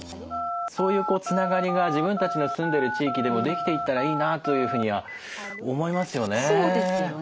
そういうつながりが自分たちの住んでる地域でも出来ていったらいいなというふうには思いますよね？